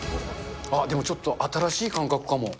あっ、でもちょっと新しい感覚かも。